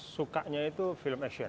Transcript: sukanya itu film action